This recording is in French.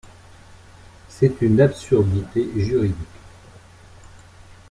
C’est une absurdité juridique.